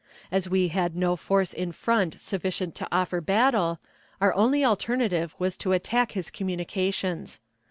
As we had no force in front sufficient to offer battle, our only alternative was to attack his communications.